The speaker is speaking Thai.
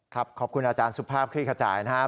ครับขอบคุณอาจารย์สุภาพคลิกระจายนะฮะ